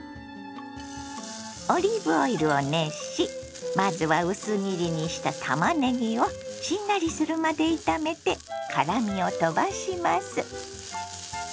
オリーブオイルを熱しまずは薄切りにしたたまねぎをしんなりするまで炒めて辛みを飛ばします。